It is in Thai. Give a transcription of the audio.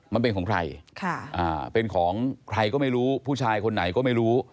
มันเป็นของใครเป็นของใครก็ไม่รู้ผู้ชายคนไหนก็ไม่รู้